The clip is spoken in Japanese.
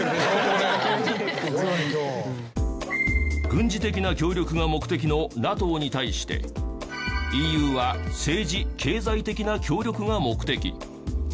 軍事的な協力が目的のＮＡＴＯに対してＥＵは政治経済的な協力が目的。